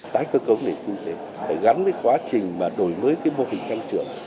tái cơ cống để kinh tế phải gắn với quá trình mà đổi mới cái mô hình tăng trưởng